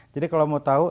jadi kalau mau tau